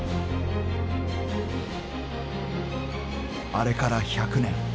［あれから１００年］